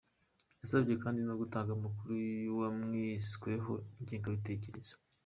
Yasabye kandi no gutanga amakuru ku wumvisweho ingengabitekerezo.